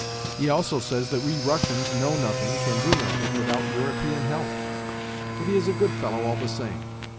Ha, ha, ha! He also says that we Russians know nothing, can do nothing, without European help. But he is a good fellow all the same.